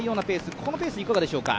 このペース、いかがでしょうか？